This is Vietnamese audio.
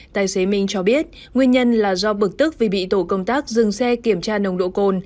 tài xế minh cho biết nguyên nhân là do bực tức vì bị tổ công tác dừng xe kiểm tra nồng độ cồn